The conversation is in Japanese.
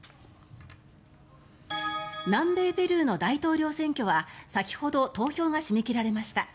南米ペルーの大統領選挙は先ほど投票が締め切られました。